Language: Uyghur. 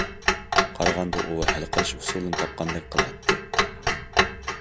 قارىغاندا ئۇ ھەل قىلىش ئۇسۇلىنى تاپقاندەك قىلاتتى.